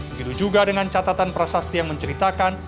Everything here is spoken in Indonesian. begitu juga dengan catatan prasasti yang menceritakan